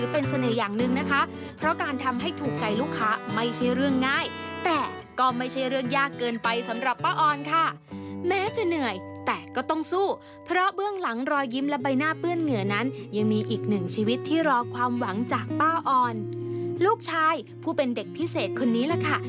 เป็นเด็กพิเศษคนนี้แหละค่ะ